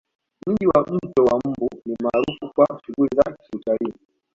Mji wa mto wa mbu ni maarufu kwa shughuli za Kiutalii